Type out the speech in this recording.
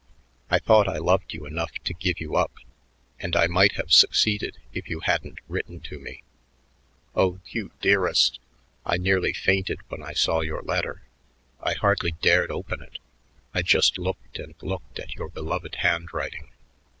I thought I loved you enough to give you up and I might have succeeded if you hadn't written to me. Oh, Hugh dearest, I nearly fainted when I saw your letter. I hardly dared open it I just looked and looked at your beloved handwriting.